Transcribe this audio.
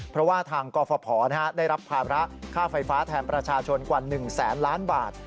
เพราะว่าทางกฟภได้รับภาระค่าไฟฟ้าแทนประชาชนกว่า๑แสนล้านบาท